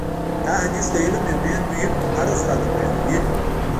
دا حدیث د علم یو ډېر مهم اړخ راته بیانوي.